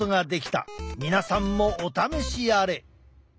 皆さんもお試しあれ！